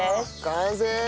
完成！